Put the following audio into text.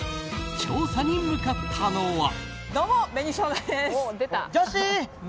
調査に向かったのは。